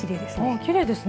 きれいですね。